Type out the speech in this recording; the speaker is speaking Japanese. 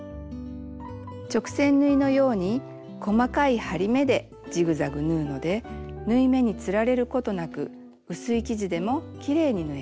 直線縫いのように細かい針目でジグザグ縫うので縫い目につられることなく薄い生地でもきれいに縫えます。